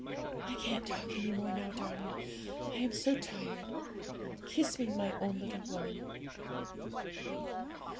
I can't talk any more now, darling, I am so tired! Kiss me, my own little woman.'